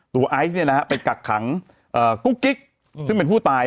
ไอซ์ไปกักขังกุ๊กกิ๊กซึ่งเป็นผู้ตาย